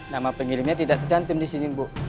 nama pengirimnya tidak tercantum di sini bu